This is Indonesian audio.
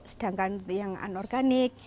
sedangkan yang anorganik